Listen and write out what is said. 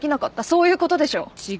そういうことでしょ？